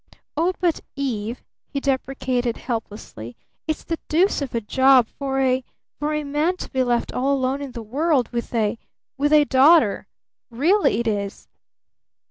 "Oh, but Eve," he deprecated helplessly, "it's the deuce of a job for a for a man to be left all alone in the world with a with a daughter! Really it is!"